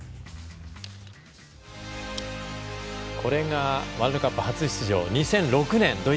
これがワールドカップ初出場。